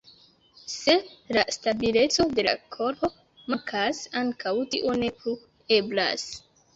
Se la stabileco de la korpo mankas, ankaŭ tio ne plu eblas.